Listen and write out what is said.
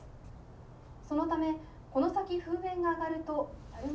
そのためこの先噴煙が上がると」。